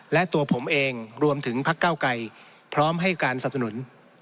และตัวผมเองรวมถึงพักเก้าไกรพร้อมให้การสับสนุน